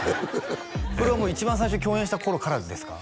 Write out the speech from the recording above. これはもう一番最初に共演した頃からですか？